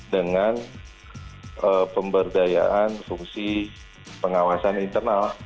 dengan pemberdayaan fungsi pengawasan internal